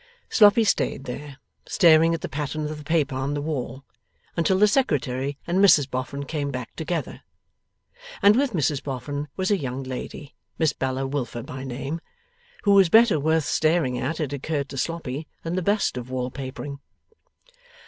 Sloppy stayed there, staring at the pattern of the paper on the wall, until the Secretary and Mrs Boffin came back together. And with Mrs Boffin was a young lady (Miss Bella Wilfer by name) who was better worth staring at, it occurred to Sloppy, than the best of wall papering.